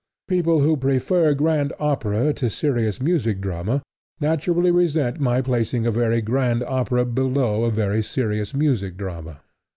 People who prefer grand opera to serious music drama naturally resent my placing a very grand opera below a very serious music drama.